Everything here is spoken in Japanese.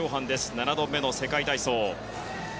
７度目の世界体操。